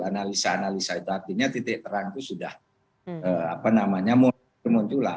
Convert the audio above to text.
analisa analisa itu artinya titik terang itu sudah bermunculan